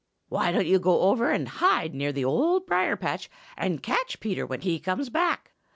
Why don't you go over and hide near the Old Briar patch and catch Peter when he comes back?